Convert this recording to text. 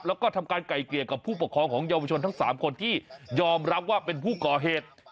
แล้วก็ทำการไก่เกลี่ยกับผู้ปกครองของเยาวชนทั้ง๓คนที่ยอมรับว่าเป็นผู้ก่อเหตุ